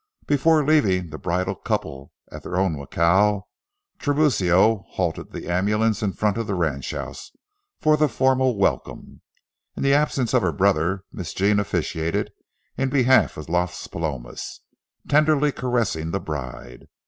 Before leaving the bridal couple at their own jacal, Tiburcio halted the ambulance in front of the ranch house for the formal welcome. In the absence of her brother, Miss Jean officiated in behalf of Las Palomas, tenderly caressing the bride.